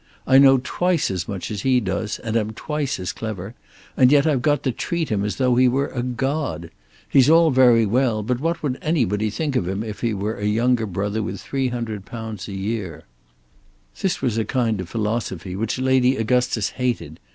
I know twice as much as he does, and am twice as clever, and yet I've got to treat him as though he were a god. He's all very well, but what would anybody think of him if he were a younger brother with £300 a year." This was a kind of philosophy which Lady Augustus hated.